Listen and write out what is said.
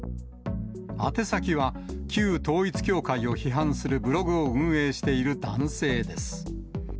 宛て先は、旧統一教会を批判するブログを運営している男性です。